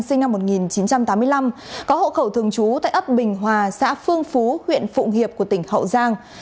sinh năm một nghìn chín trăm tám mươi năm có hộ khẩu thường trú tại ấp bình hòa xã phương phú huyện phụng hiệp của tỉnh hậu giang